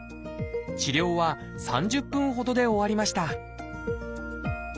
治療は３０分ほどで終わりました